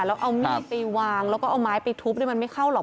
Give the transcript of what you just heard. แล้วเอามีดไปวางแล้วก็เอาไม้ไปทุบมันไม่เข้าหรอก